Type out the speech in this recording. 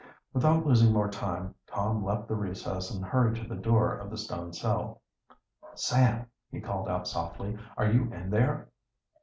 Without losing more time, Tom left the recess and hurried to the door of the stone cell. "Sam!" he called out softly. "Are you in there?"